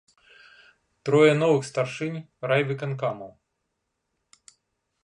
Трое новых старшынь райвыканкамаў.